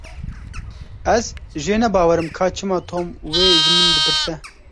Ez jê nebawerim ka çima Tom wê ji min dipirse.